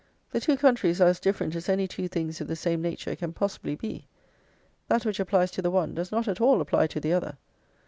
The two countries are as different as any two things of the same nature can possibly be; that which applies to the one does not at all apply to the other.